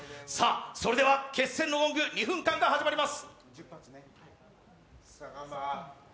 それでは決戦のゴング、２分間が始まります。